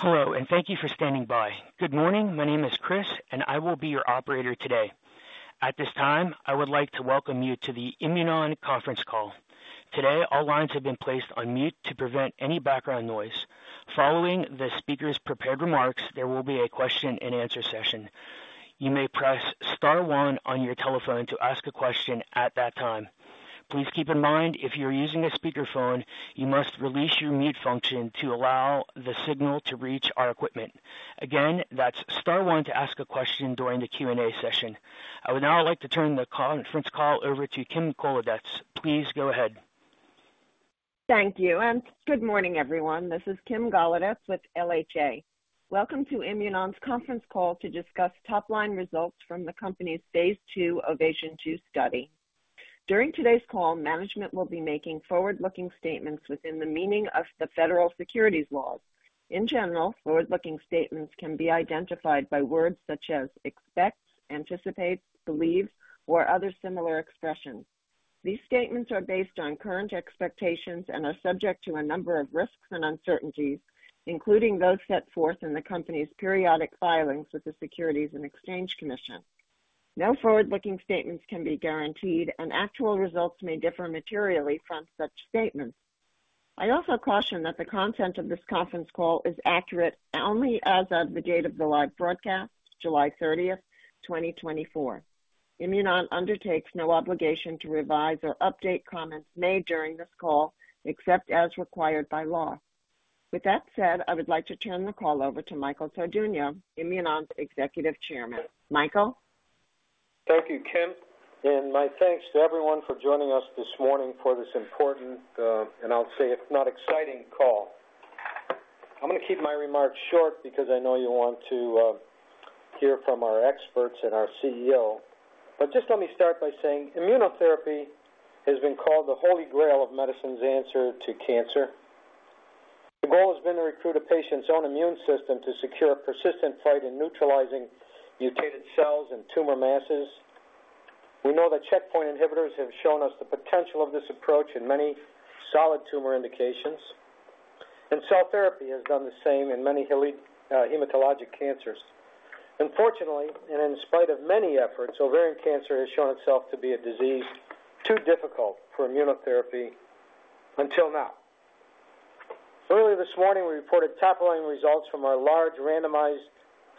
Hello, and thank you for standing by. Good morning. My name is Chris, and I will be your operator today. At this time, I would like to welcome you to the Imunon conference call. Today, all lines have been placed on mute to prevent any background noise. Following the speaker's prepared remarks, there will be a question-and-answer session. You may press star one on your telephone to ask a question at that time. Please keep in mind, if you're using a speakerphone, you must release your mute function to allow the signal to reach our equipment. Again, that's star one to ask a question during the Q&A session. I would now like to turn the conference call over to Kim Golodetz. Please go ahead. Thank you, and good morning, everyone. This is Kim Golodetz with LHA. Welcome to Imunon's conference call to discuss top-line results from the company's Phase II OVATION-2 study. During today's call, management will be making forward-looking statements within the meaning of the federal securities laws. In general, forward-looking statements can be identified by words such as expect, anticipate, believe, or other similar expressions. These statements are based on current expectations and are subject to a number of risks and uncertainties, including those set forth in the company's periodic filings with the Securities and Exchange Commission. No forward-looking statements can be guaranteed, and actual results may differ materially from such statements. I also caution that the content of this conference call is accurate only as of the date of the live broadcast, July 30th, 2024. Imunon undertakes no obligation to revise or update comments made during this call, except as required by law. With that said, I would like to turn the call over to Michael Tardugno, Imunon's Executive Chairman. Michael? Thank you, Kim, and my thanks to everyone for joining us this morning for this important, and I'll say, if not exciting call. I'm going to keep my remarks short because I know you want to hear from our experts and our CEO. But just let me start by saying immunotherapy has been called the holy grail of medicine's answer to cancer. The goal has been to recruit a patient's own immune system to secure a persistent fight in neutralizing mutated cells and tumor masses. We know that checkpoint inhibitors have shown us the potential of this approach in many solid tumor indications, and cell therapy has done the same in many hematologic cancers. Unfortunately, and in spite of many efforts, ovarian cancer has shown itself to be a disease too difficult for immunotherapy until now. Earlier this morning, we reported top-line results from our large, randomized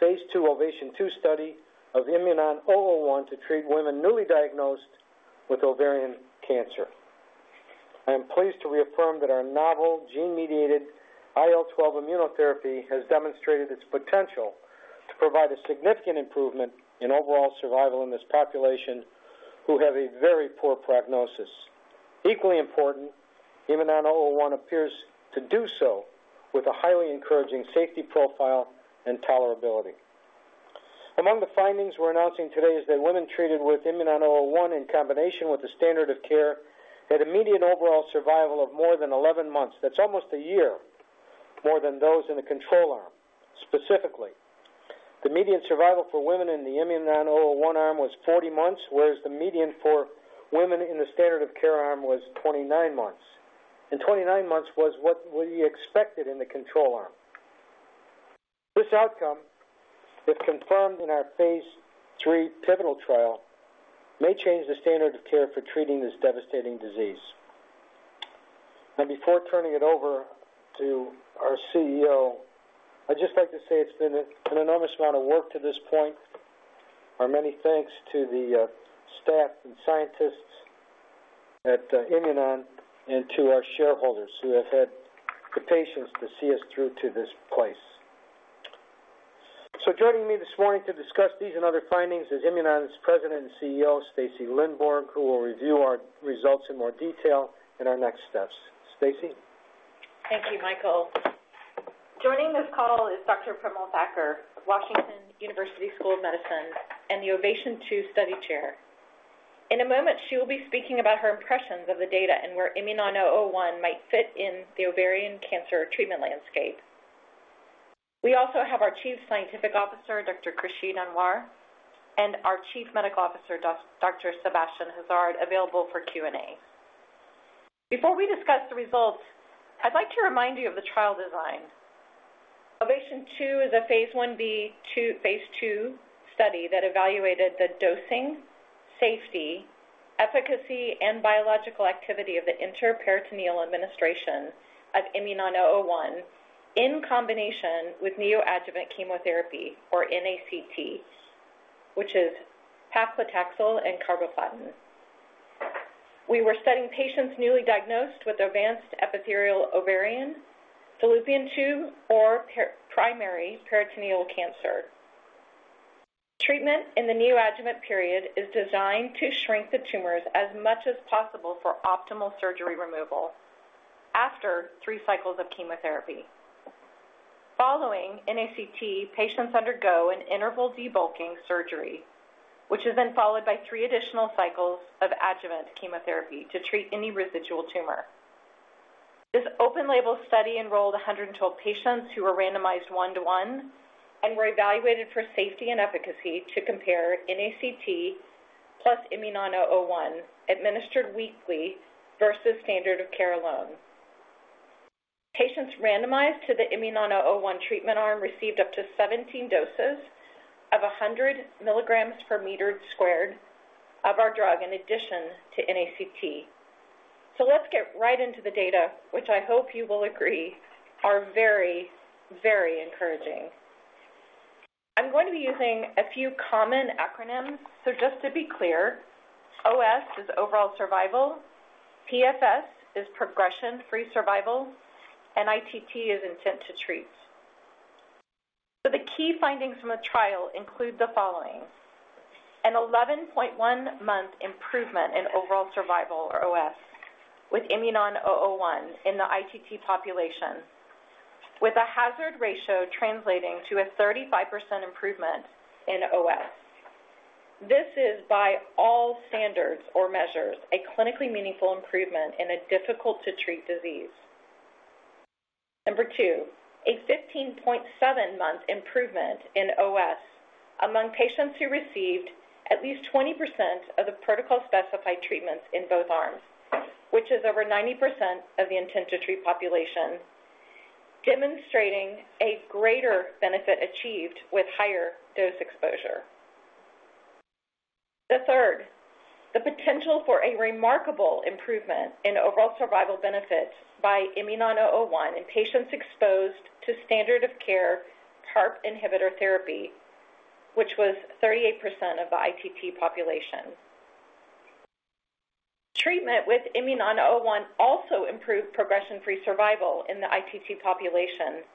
Phase II OVATION-2 study of IMNN-001 to treat women newly diagnosed with ovarian cancer. I am pleased to reaffirm that our novel gene-mediated IL-12 immunotherapy has demonstrated its potential to provide a significant improvement in overall survival in this population, who have a very poor prognosis. Equally important, IMNN-001 appears to do so with a highly encouraging safety profile and tolerability. Among the findings we're announcing today is that women treated with IMNN-001 in combination with the standard of care had a median overall survival of more than 11 months. That's almost a year more than those in the control arm. Specifically, the median survival for women in the IMNN-001 arm was 40 months, whereas the median for women in the standard of care arm was 29 months. And 29 months was what we expected in the control arm. This outcome, if confirmed in our Phase III pivotal trial, may change the standard of care for treating this devastating disease. And before turning it over to our CEO, I'd just like to say it's been an enormous amount of work to this point. Our many thanks to the staff and scientists at Imunon and to our Shareholders, who have had the patience to see us through to this place. So joining me this morning to discuss these and other findings is Imunon's President and CEO, Stacy Lindborg, who will review our results in more detail and our next steps. Stacy? Thank you, Michael. Joining this call is Dr. Premal Thaker of Washington University School of Medicine and the OVATION-2 Study Chair. In a moment, she will be speaking about her impressions of the data and where IMNN-001 might fit in the ovarian cancer treatment landscape. We also have our Chief Scientific Officer, Dr. Khurshid Anwar, and our Chief Medical Officer, Dr. Sebastien Hazard, available for Q&A. Before we discuss the results, I'd like to remind you of the trial design. OVATION-2 is a Phase II study that evaluated the dosing, safety, efficacy, and biological activity of the intraperitoneal administration of IMNN-001 in combination with neoadjuvant chemotherapy, or NACT, which is paclitaxel and carboplatin. We were studying patients newly diagnosed with advanced epithelial ovarian, fallopian tube, or primary peritoneal cancer. Treatment in the neoadjuvant period is designed to shrink the tumors as much as possible for optimal surgery removal after three cycles of chemotherapy. Following NACT, patients undergo an interval debulking surgery, which is then followed by three additional cycles of adjuvant chemotherapy to treat any residual tumor. This open label study enrolled 112 patients who were randomized 1:1 and were evaluated for safety and efficacy to compare NACT+ IMNN-001 administered weekly versus standard of care alone. Patients randomized to the IMNN-001 treatment arm received up to 17 doses of 100 mg/m² of our drug, in addition to NACT. So let's get right into the data, which I hope you will agree are very, very encouraging. I'm going to be using a few common acronyms, so just to be clear, OS is Overall Survival, PFS is Progression-Free Survival, and ITT is Intent To Treat. So the key findings from the trial include the following: an 11.1-month improvement in overall survival, or OS, with IMNN-001 in the ITT population, with a hazard ratio translating to a 35% improvement in OS. This is, by all standards or measures, a clinically meaningful improvement in a difficult-to-treat disease. Number two, a 15.7-month improvement in OS among patients who received at least 20% of the protocol-specified treatments in both arms, which is over 90% of the intent to treat population, demonstrating a greater benefit achieved with higher dose exposure. The third, the potential for a remarkable improvement in overall survival benefit by IMNN-001 in patients exposed to standard of care PARP inhibitor therapy, which was 38% of the ITT population. Treatment with IMNN-001 also improved progression-free survival in the ITT population.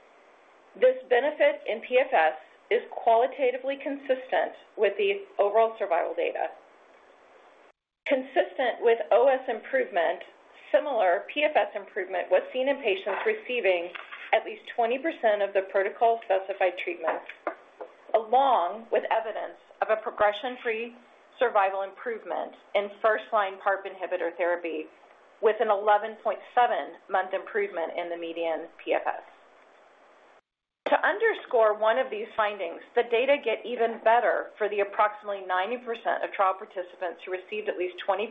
This benefit in PFS is qualitatively consistent with the overall survival data. Consistent with OS improvement, similar PFS improvement was seen in patients receiving at least 20% of the protocol-specified treatment, along with evidence of a progression-free survival improvement in first-line PARP inhibitor therapy, with an 11.7-month improvement in the median PFS. To underscore one of these findings, the data get even better for the approximately 90% of trial participants who received at least 20%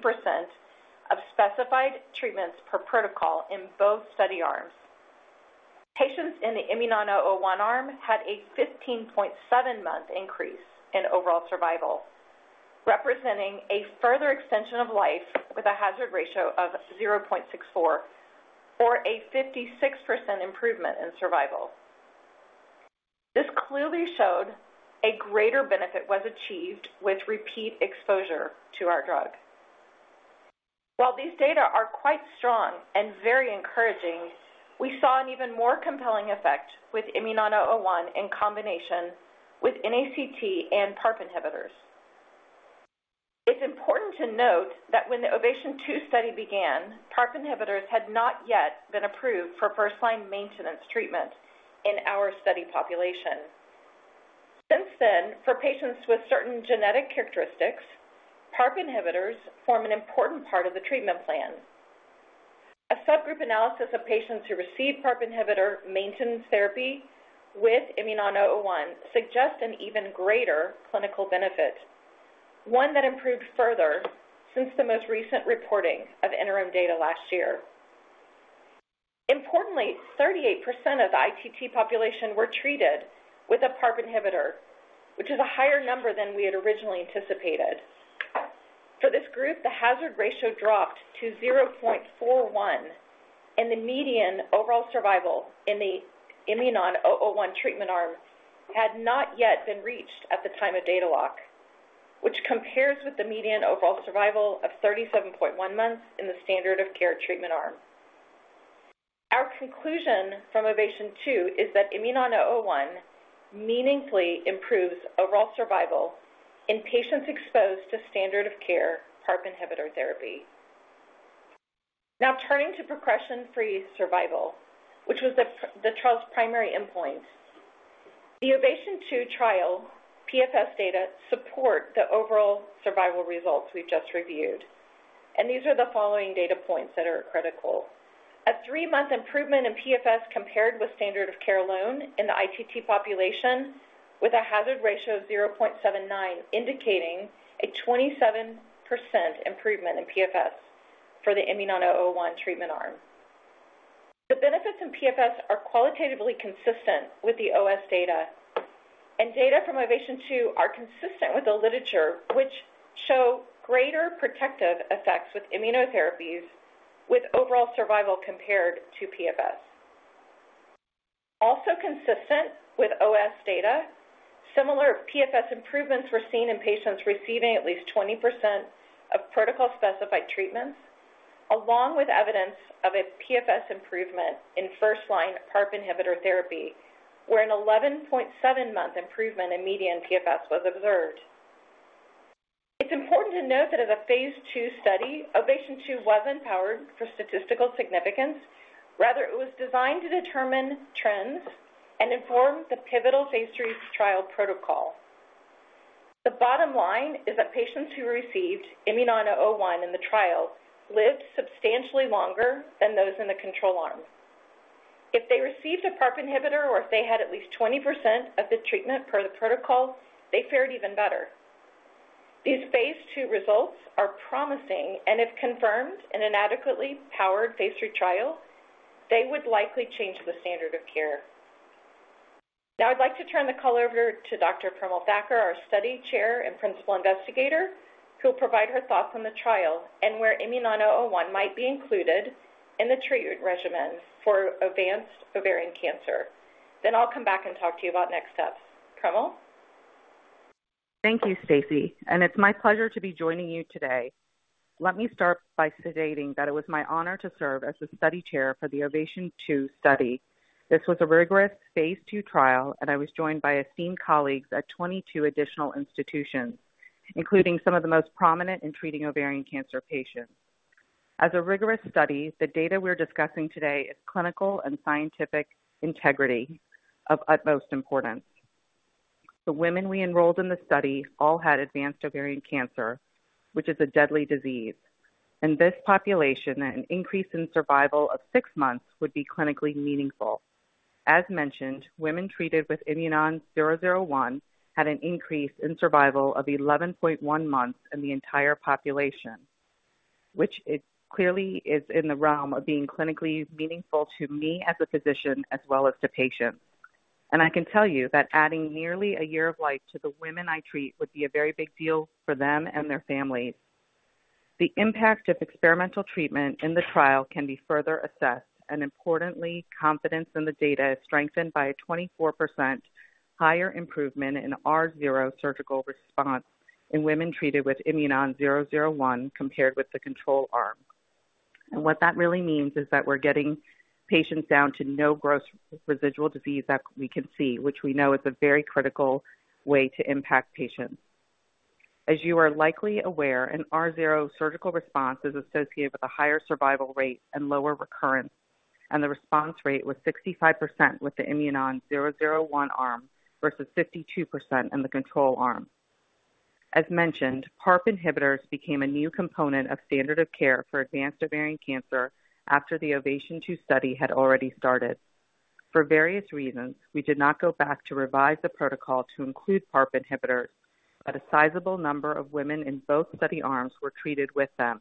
of specified treatments per protocol in both study arms. Patients in the IMNN-001 arm had a 15.7-month increase in overall survival, representing a further extension of life with a hazard ratio of 0.64 or a 56% improvement in survival. This clearly showed a greater benefit was achieved with repeat exposure to our drug. While these data are quite strong and very encouraging, we saw an even more compelling effect with IMNN-001 in combination with NACT and PARP inhibitors. It's important to note that when the OVATION-2 study began, PARP inhibitors had not yet been approved for first-line maintenance treatment in our study population. Since then, for patients with certain genetic characteristics, PARP inhibitors form an important part of the treatment plan. A subgroup analysis of patients who received PARP inhibitor maintenance therapy with IMNN-001 suggests an even greater clinical benefit, one that improved further since the most recent reporting of interim data last year. Importantly, 38% of the ITT population were treated with a PARP inhibitor, which is a higher number than we had originally anticipated. For this group, the hazard ratio dropped to 0.41, and the median overall survival in the IMNN-001 treatment arm had not yet been reached at the time of data lock, which compares with the median overall survival of 37.1 months in the standard of care treatment arm. Our conclusion from OVATION-2 is that IMNN-001 meaningfully improves overall survival in patients exposed to standard of care PARP inhibitor therapy. Now, turning to progression-free survival, which was the trial's primary endpoint. The OVATION-2 trial PFS data support the overall survival results we've just reviewed, and these are the following data points that are critical. A 3-month improvement in PFS compared with standard of care alone in the ITT population, with a hazard ratio of 0.79, indicating a 27% improvement in PFS for the IMNN-001 treatment arm. The benefits in PFS are qualitatively consistent with the OS data, and data from OVATION-2 are consistent with the literature, which show greater protective effects with immunotherapies, with overall survival compared to PFS. Also consistent with OS data, similar PFS improvements were seen in patients receiving at least 20% of protocol-specified treatments, along with evidence of a PFS improvement in first-line PARP inhibitor therapy, where an 11.7-month improvement in median PFS was observed. It's important to note that as a Phase II study, OVATION-2 wasn't powered for statistical significance. Rather, it was designed to determine trends and inform the pivotal Phase III trial protocol. The bottom line is that patients who received IMNN-001 in the trial lived substantially longer than those in the control arm.... If they received a PARP inhibitor or if they had at least 20% of the treatment per the protocol, they fared even better. These Phase II results are promising and if confirmed in an adequately powered Phase III trial, they would likely change the standard of care. Now I'd like to turn the call over to Dr. Premal Thaker, our study chair and principal investigator, who will provide her thoughts on the trial and where IMNN-001 might be included in the treatment regimen for advanced ovarian cancer. Then I'll come back and talk to you about next steps. Premal? Thank you, Stacy, and it's my pleasure to be joining you today. Let me start by stating that it was my honor to serve as the study chair for the OVATION-2 study. This was a rigorous Phase II trial, and I was joined by esteemed colleagues at 22 additional institutions, including some of the most prominent in treating ovarian cancer patients. As a rigorous study, the data we're discussing today is clinical and scientific integrity of utmost importance. The women we enrolled in the study all had advanced ovarian cancer, which is a deadly disease. In this population, an increase in survival of six months would be clinically meaningful. As mentioned, women treated with IMNN-001 had an increase in survival of 11.1 months in the entire population, which is clearly in the realm of being clinically meaningful to me as a physician as well as to patients. I can tell you that adding nearly a year of life to the women I treat would be a very big deal for them and their families. The impact of experimental treatment in the trial can be further assessed, and importantly, confidence in the data is strengthened by a 24% higher improvement in R0 surgical response in women treated with IMNN-001 compared with the control arm. And what that really means is that we're getting patients down to no gross residual disease that we can see, which we know is a very critical way to impact patients. As you are likely aware, an R0 surgical response is associated with a higher survival rate and lower recurrence, and the response rate was 65% with the IMNN-001 arm versus 52% in the control arm. As mentioned, PARP inhibitors became a new component of standard of care for advanced ovarian cancer after the OVATION-2 study had already started. For various reasons, we did not go back to revise the protocol to include PARP inhibitors, but a sizable number of women in both study arms were treated with them.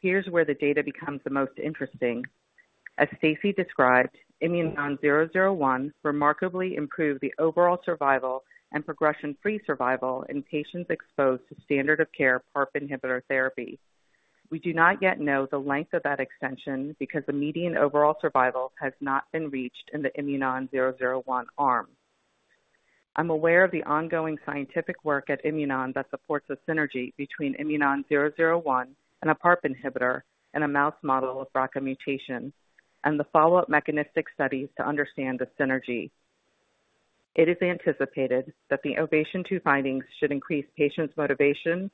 Here's where the data becomes the most interesting. As Stacy described, IMNN-001 remarkably improved the overall survival and progression-free survival in patients exposed to standard of care PARP inhibitor therapy. We do not yet know the length of that extension because the median overall survival has not been reached in the IMNN-001 arm. I'm aware of the ongoing scientific work at Imunon that supports a synergy between IMNN-001 and a PARP inhibitor in a mouse model of BRCA mutations and the follow-up mechanistic studies to understand the synergy. It is anticipated that the OVATION-2 findings should increase patients' motivation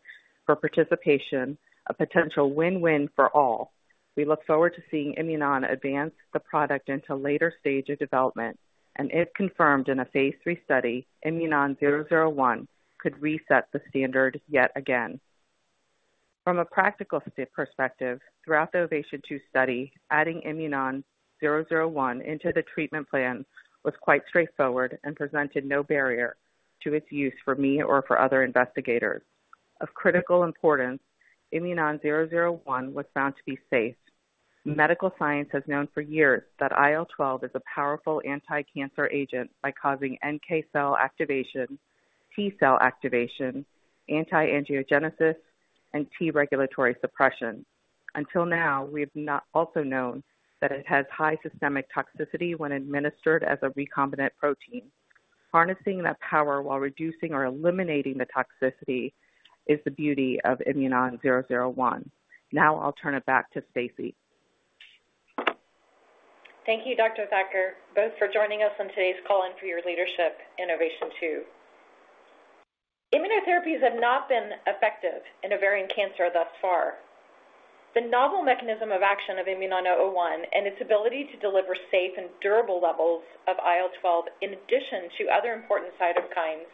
for participation, a potential win-win for all. We look forward to seeing Imunon advance the product into later stages of development, and if confirmed in a Phase III study, IMNN-001 could reset the standard yet again. From a practical perspective, throughout the OVATION-2 study, adding IMNN-001 into the treatment plan was quite straightforward and presented no barrier to its use for me or for other investigators. Of critical importance, IMNN-001 was found to be safe. Medical science has known for years that IL-12 is a powerful anticancer agent by causing NK cell activation, T cell activation, anti-angiogenesis, and T regulatory suppression. Until now, we've not also known that it has high systemic toxicity when administered as a recombinant protein. Harnessing that power while reducing or eliminating the toxicity is the beauty of IMNN-001. Now I'll turn it back to Stacy. Thank you, Dr. Thaker, both for joining us on today's call and for your leadership in OVATION-2. Immunotherapies have not been effective in ovarian cancer thus far. The novel mechanism of action of IMNN-001 and its ability to deliver safe and durable levels of IL-12, in addition to other important cytokines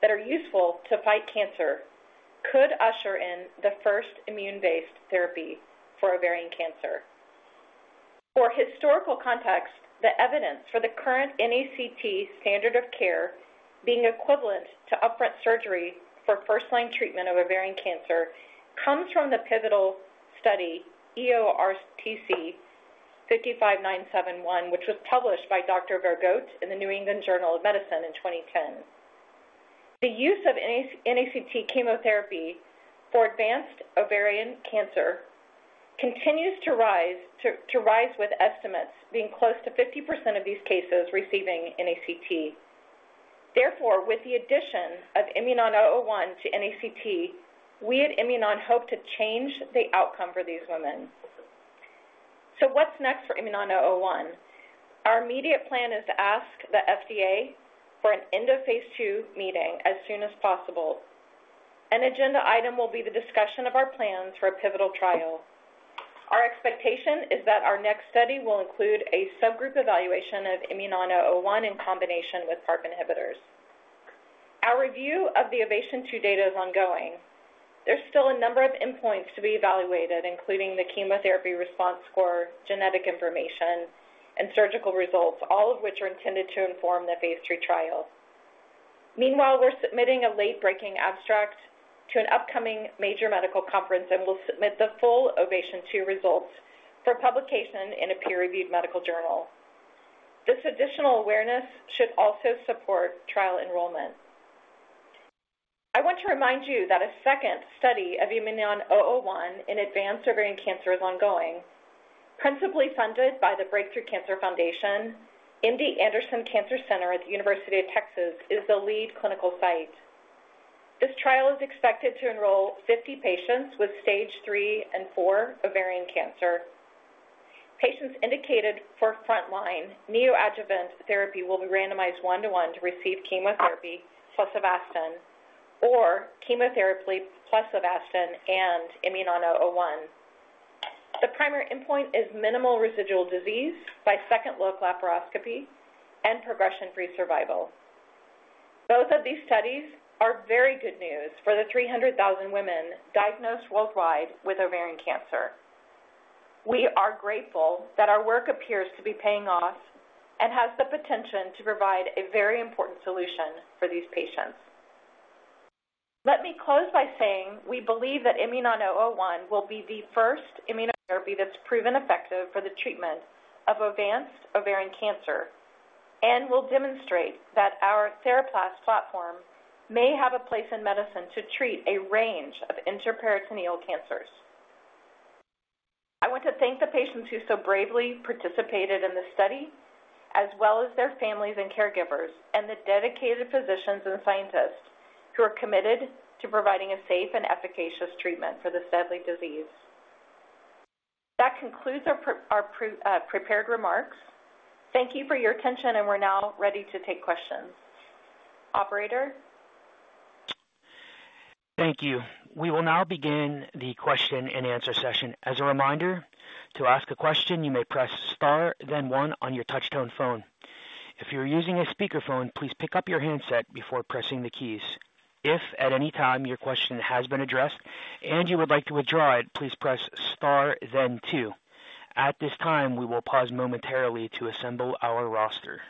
that are useful to fight cancer, could usher in the first immune-based therapy for ovarian cancer. For historical context, the evidence for the current NACT standard of care being equivalent to upfront surgery for first-line treatment of ovarian cancer comes from the pivotal study, EORTC 55971, which was published by Dr. Vergote in the New England Journal of Medicine in 2010. The use of NACT chemotherapy for advanced ovarian cancer continues to rise, with estimates being close to 50% of these cases receiving NACT. Therefore, with the addition of IMNN-001 to NACT, we at Imunon hope to change the outcome for these women. So what's next for IMNN-001? Our immediate plan is to ask the FDA for an end-of-Phase II meeting as soon as possible. An agenda item will be the discussion of our plans for a pivotal trial. Our expectation is that our next study will include a subgroup evaluation of IMNN-001 in combination with PARP inhibitors. Our review of the OVATION-2 data is ongoing. There's still a number of endpoints to be evaluated, including the chemotherapy response score, genetic information, and surgical results, all of which are intended to inform the Phase III trial. Meanwhile, we're submitting a late-breaking abstract to an upcoming major medical conference, and we'll submit the full OVATION-2 results for publication in a peer-reviewed medical journal. This additional awareness should also support trial enrollment. I want to remind you that a second study of IMNN-001 in advanced ovarian cancer is ongoing. Principally funded by the Break Through Cancer Foundation, MD Anderson Cancer Center at the University of Texas is the lead clinical site. This trial is expected to enroll 50 patients with Stage III and IV ovarian cancer. Patients indicated for frontline neoadjuvant therapy will be randomized 1:1 to receive chemotherapy plus Avastin or chemotherapy plus Avastin and IMNN-001. The primary endpoint is minimal residual disease by second-look laparoscopy and progression-free survival. Both of these studies are very good news for the 300,000 women diagnosed worldwide with ovarian cancer. We are grateful that our work appears to be paying off and has the potential to provide a very important solution for these patients. Let me close by saying, we believe that IMNN-001 will be the first immunotherapy that's proven effective for the treatment of advanced ovarian cancer and will demonstrate that our TheraPlas platform may have a place in medicine to treat a range of intraperitoneal cancers. I want to thank the patients who so bravely participated in this study, as well as their families and caregivers, and the dedicated physicians and scientists who are committed to providing a safe and efficacious treatment for this deadly disease. That concludes our prepared remarks. Thank you for your attention, and we're now ready to take questions. Operator? Thank you. We will now begin the question-and-answer session. As a reminder, to ask a question, you may press star then one on your touchtone phone. If you're using a speakerphone, please pick up your handset before pressing the keys. If at any time your question has been addressed and you would like to withdraw it, please press star then two. At this time, we will pause momentarily to assemble our roster.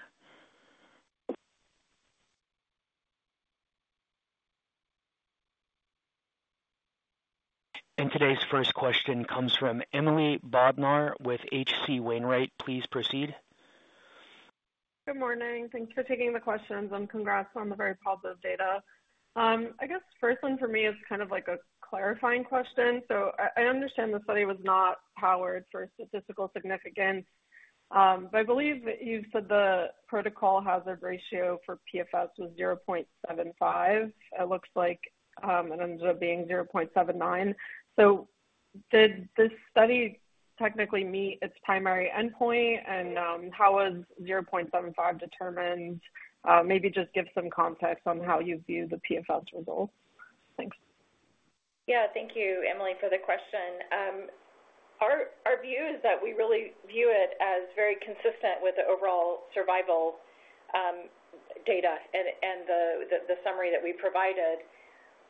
Today's first question comes from Emily Bodnar with H.C. Wainwright. Please proceed. Good morning. Thanks for taking the questions and congrats on the very positive data. I guess first one for me is kind of like a clarifying question. So I, I understand the study was not powered for statistical significance, but I believe that you said the protocol hazard ratio for PFS was 0.75. It looks like, it ended up being 0.79. So did this study technically meet its primary endpoint? And, how was 0.75 determined? Maybe just give some context on how you view the PFS results. Thanks. Yeah. Thank you, Emily, for the question. Our view is that we really view it as very consistent with the overall survival data and the summary that we provided.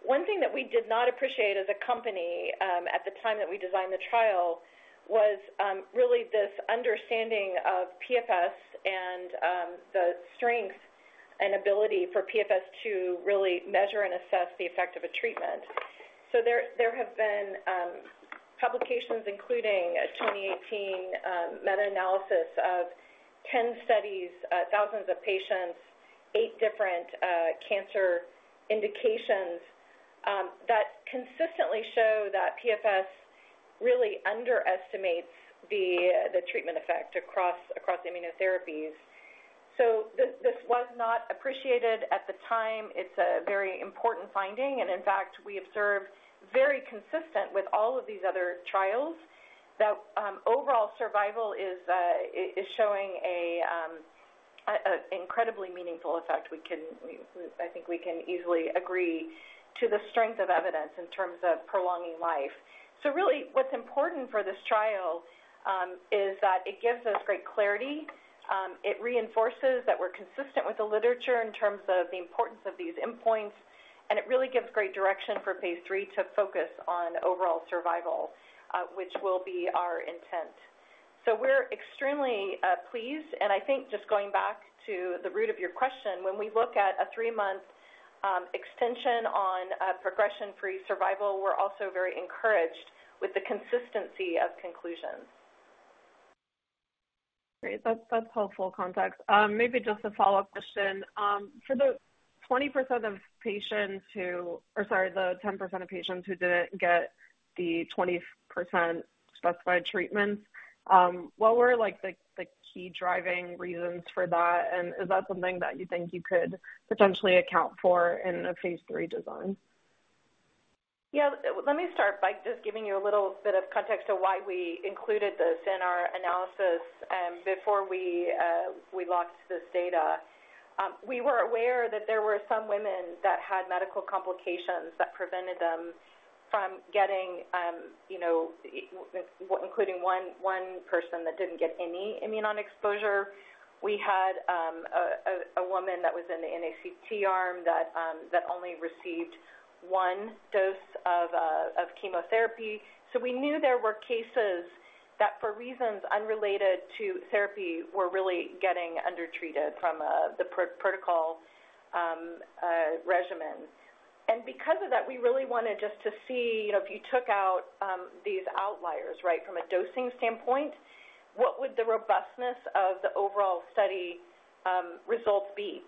One thing that we did not appreciate as a company, at the time that we designed the trial, was really this understanding of PFS and the strength and ability for PFS to really measure and assess the effect of a treatment. So there have been publications, including a 2018 meta-analysis of 10 studies, thousands of patients, eight different cancer indications, that consistently show that PFS really underestimates the treatment effect across immunotherapies. So this was not appreciated at the time. It's a very important finding, and in fact, we observed, very consistent with all of these other trials, that overall survival is showing a incredibly meaningful effect. We can. I think we can easily agree to the strength of evidence in terms of prolonging life. So really, what's important for this trial is that it gives us great clarity. It reinforces that we're consistent with the literature in terms of the importance of these endpoints, and it really gives great direction for Phase III to focus on overall survival, which will be our intent. So we're extremely pleased. And I think just going back to the root of your question, when we look at a 3-month extension on a progression-free survival, we're also very encouraged with the consistency of conclusions. Great. That's helpful context. Maybe just a follow-up question. For the 20% of patients who... Or sorry, the 10% of patients who didn't get the 20% specified treatments, what were like the key driving reasons for that? And is that something that you think you could potentially account for in a Phase III design? Yeah, let me start by just giving you a little bit of context to why we included this in our analysis, before we locked this data. We were aware that there were some women that had medical complications that prevented them from getting, you know, including one person that didn't get any immune exposure. We had a woman that was in the NACT arm that only received one dose of chemotherapy. So we knew there were cases that, for reasons unrelated to therapy, were really getting undertreated from the protocol regimen. And because of that, we really wanted just to see, you know, if you took out these outliers, right, from a dosing standpoint, what would the robustness of the overall study results be?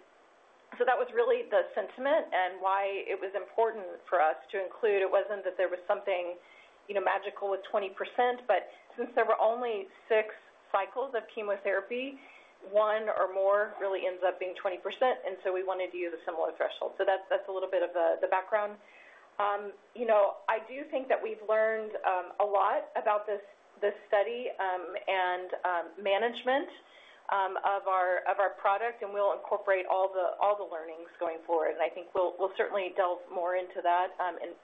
So that was really the sentiment and why it was important for us to include. It wasn't that there was something, you know, magical with 20%, but since there were only six cycles of chemotherapy, one or more really ends up being 20%, and so we wanted to use a similar threshold. So that's a little bit of the background. You know, I do think that we've learned a lot about this study and management of our product, and we'll incorporate all the learnings going forward. And I think we'll certainly delve more into that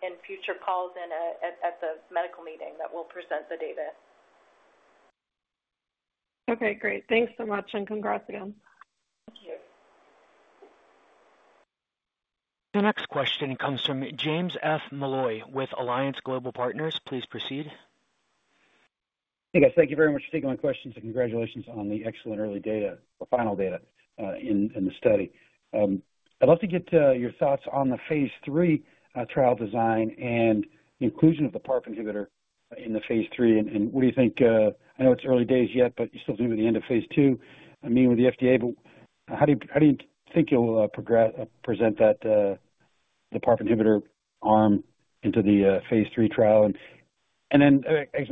in future calls and at the medical meeting that we'll present the data. Okay, great. Thanks so much, and congrats again. Thank you. The next question comes from James Molloy with Alliance Global Partners. Please proceed. Hey, guys, thank you very much for taking my questions, and congratulations on the excellent early data, the final data, in the study. I'd love to get your thoughts on the Phase III trial design and the inclusion of the PARP inhibitor in the Phase III. And what do you think... I know it's early days yet, but you're still near the end of Phase II, I mean, with the FDA, but how do you think you'll present the PARP inhibitor arm into the Phase III trial? And then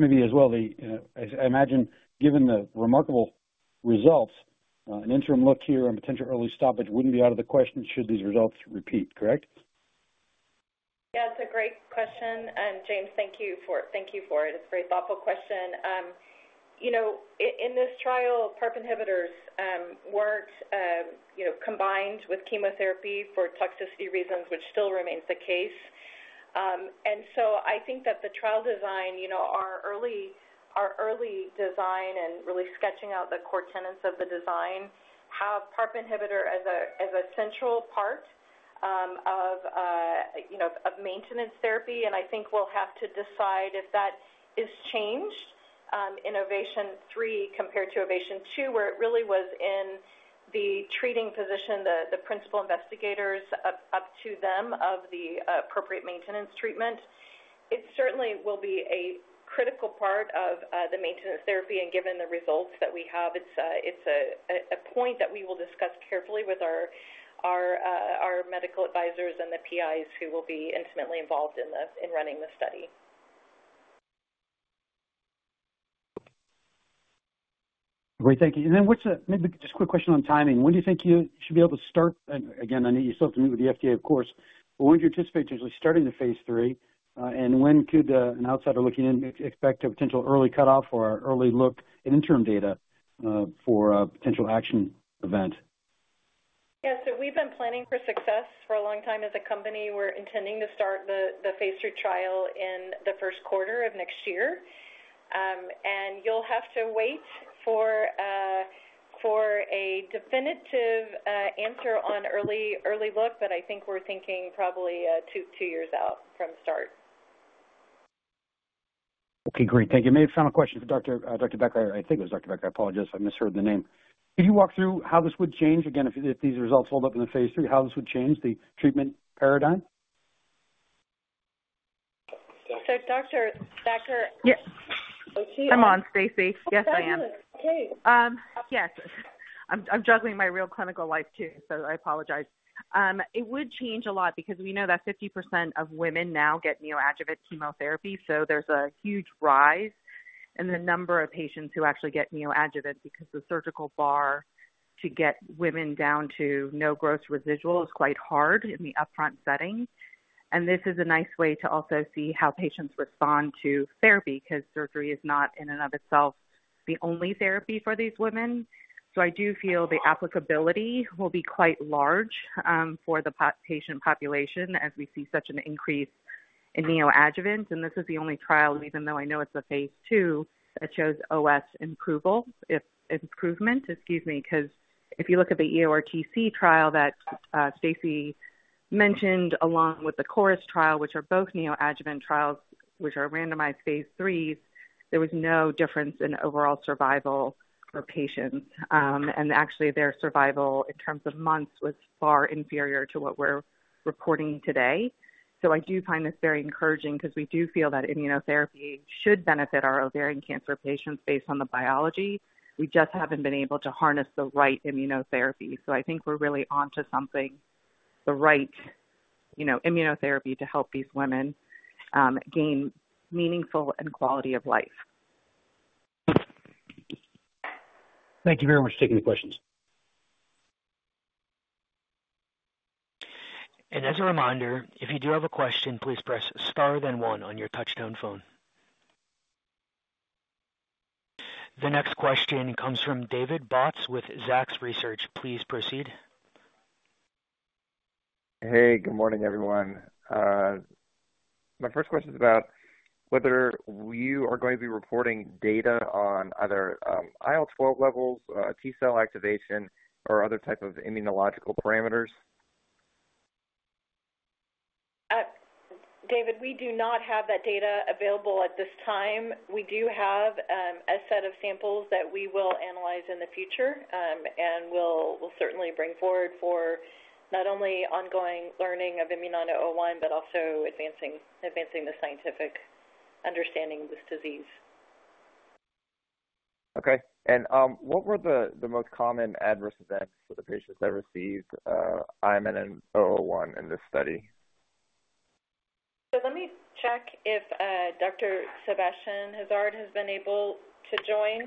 maybe as well, you know, I imagine, given the remarkable results, an interim look here and potential early stoppage wouldn't be out of the question should these results repeat, correct? Yeah, it's a great question. And James, thank you for, thank you for it. It's a very thoughtful question. You know, in this trial, PARP inhibitors weren't, you know, combined with chemotherapy for toxicity reasons, which still remains the case. And so I think that the trial design, you know, our early, our early design and really sketching out the core tenets of the design, have PARP inhibitor as a, as a central part, of, you know, of maintenance therapy. And I think we'll have to decide if that is changed, in OVATION-3 compared to OVATION-2, where it really was in the treating physician, the, the principal investigators, up, up to them, of the, appropriate maintenance treatment. It certainly will be a critical part of the maintenance therapy, and given the results that we have, it's a point that we will discuss carefully with our medical advisors and the PIs, who will be intimately involved in this, in running the study. Great, thank you. And then what's the maybe just a quick question on timing. When do you think you should be able to start? Again, I know you still have to meet with the FDA, of course, but when do you anticipate usually starting the Phase III? And when could an outsider looking in expect a potential early cutoff or early look at interim data for a potential action event? Yeah. So we've been planning for success for a long time as a company. We're intending to start the Phase III trial in the first quarter of next year. And you'll have to wait for a definitive answer on early look, but I think we're thinking probably two years out from start. Okay, great. Thank you. Maybe a final question for Dr. Thaker. I think it was Dr. Thaker. I apologize if I misheard the name. Could you walk through how this would change? Again, if these results hold up in the Phase III, how this would change the treatment paradigm? So, Dr. Thaker- Yes. I'm on, Stacy. Yes, I am. Okay. Yes, I'm juggling my real clinical life, too, so I apologize. It would change a lot because we know that 50% of women now get neoadjuvant chemotherapy, so there's a huge rise in the number of patients who actually get neoadjuvant because the surgical bar to get women down to no gross residual is quite hard in the upfront setting. And this is a nice way to also see how patients respond to therapy, 'cause surgery is not in and of itself, the only therapy for these women. So I do feel the applicability will be quite large, for the patient population as we see such an increase in neoadjuvant. And this is the only trial, even though I know it's a Phase II, that shows OS improvement, excuse me. Because if you look at the EORTC trial that Stacy mentioned, along with the CHORUS trial, which are both neoadjuvant trials, which are randomized Phase IIIs, there was no difference in overall survival for patients. And actually, their survival in terms of months, was far inferior to what we're reporting today. So I do find this very encouraging because we do feel that immunotherapy should benefit our ovarian cancer patients based on the biology. We just haven't been able to harness the right immunotherapy. So I think we're really onto something, the right, you know, immunotherapy to help these women, gain meaningful and quality of life. Thank you very much for taking the questions. As a reminder, if you do have a question, please press star then one on your touchtone phone... The next question comes from David Bautz with Zacks Research. Please proceed. Hey, good morning, everyone. My first question is about whether you are going to be reporting data on other, IL-12 levels, T-cell activation, or other type of immunological parameters? David, we do not have that data available at this time. We do have a set of samples that we will analyze in the future, and we'll certainly bring forward for not only ongoing learning of IMNN-001, but also advancing the scientific understanding of this disease. Okay. And, what were the most common adverse events for the patients that received IMNN-001 in this study? Let me check if, Dr. Sébastien Hazard has been able to join.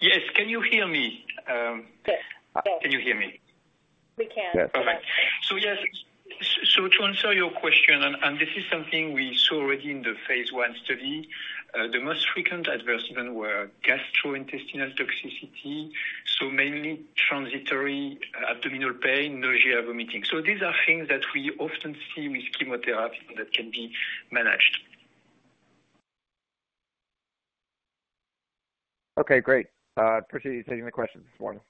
Yes. Can you hear me? Yes. Can you hear me? We can. Perfect. So, yes, so to answer your question, and, and this is something we saw already in the Phase I study, the most frequent adverse event were gastrointestinal toxicity, so mainly transitory abdominal pain, nausea, vomiting. So these are things that we often see with chemotherapy that can be managed. Okay, great. Appreciate you taking the question this morning.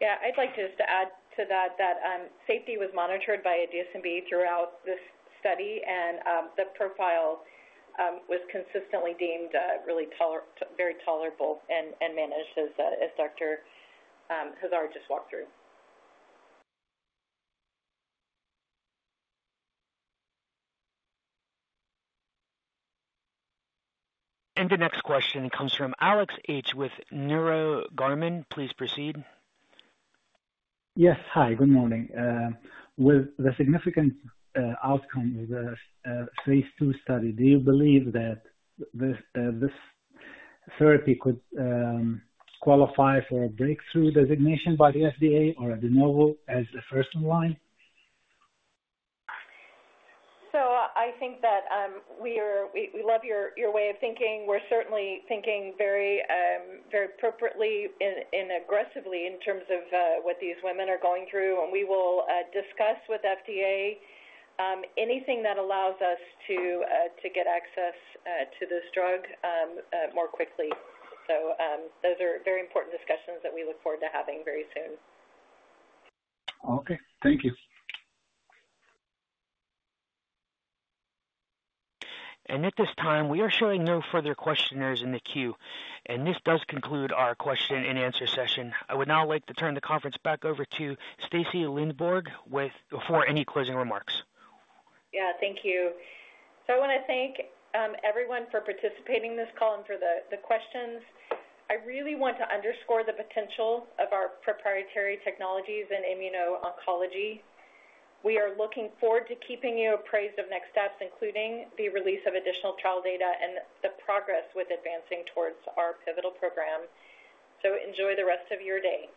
Yeah. I'd like just to add to that, that safety was monitored by a DSMB throughout this study, and the profile was consistently deemed really very tolerable and managed, as Dr. Hazard just walked through. The next question comes from Alex H. with Neurogarmin. Please proceed. Yes. Hi, good morning. With the significant outcome of the Phase II study, do you believe that this therapy could qualify for a breakthrough designation by the FDA or a de novo as a first in line? So I think that we love your way of thinking. We're certainly thinking very very appropriately and aggressively in terms of what these women are going through. And we will discuss with FDA anything that allows us to get access to this drug more quickly. So those are very important discussions that we look forward to having very soon. Okay, thank you. At this time, we are showing no further questioners in the queue, and this does conclude our question-and-answer session. I would now like to turn the conference back over to Stacy Lindborg with for any closing remarks. Yeah, thank you. So I wanna thank everyone for participating in this call and for the questions. I really want to underscore the potential of our proprietary technologies in immuno-oncology. We are looking forward to keeping you appraised of next steps, including the release of additional trial data and the progress with advancing towards our pivotal program. So enjoy the rest of your day.